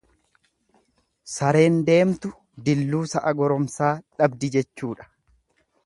Sareen deemtu dilluu sa'a goromsaa dhabdi jechuudha.